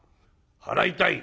払いたい。